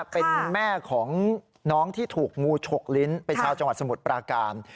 เป็นแม่ของน้องที่ถูกงูฉกลิ้นเป็นชาวจังหวัดสมุทรปราการ